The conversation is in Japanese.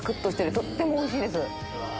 とってもおいしいです。